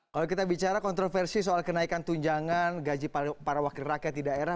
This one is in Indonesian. kalau kita bicara kontroversi soal kenaikan tunjangan gaji para wakil rakyat di daerah